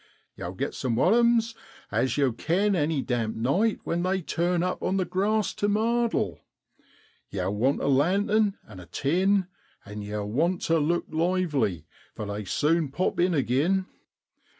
Yow get some worams, as yow kin any damp night when they turn up on the grass tu 'mardle.' Yow want a lantern an' a tin, and yow want ter look lively, for they sune pop in agin.